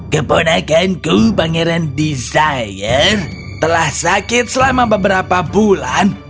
keponakanku pangeran desire telah sakit selama beberapa bulan